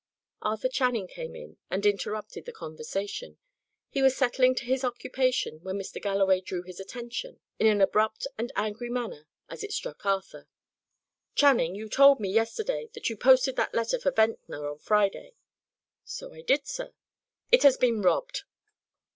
Arthur Channing came in and interrupted the conversation. He was settling to his occupation, when Mr. Galloway drew his attention; in an abrupt and angry manner, as it struck Arthur. "Channing, you told me, yesterday, that you posted that letter for Ventnor on Friday." "So I did, sir." "It has been robbed."